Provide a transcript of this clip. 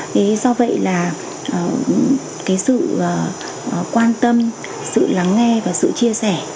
thế do vậy là cái sự quan tâm sự lắng nghe và sự chia sẻ